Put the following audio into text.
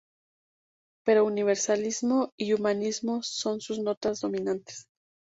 Pero Universalismo y Humanismo son sus notas dominantes.